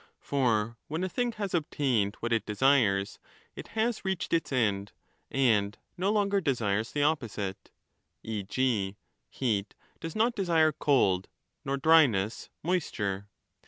For when a thing has obtained what it desires, it has reached its end and no longer desires the opposite, e. g. heat does not desire cold, nor dryness moisture.